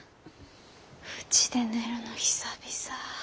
うちで寝るの久々ぁ。